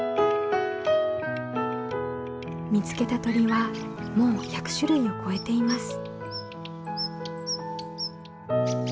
見つけた鳥はもう１００種類を超えています。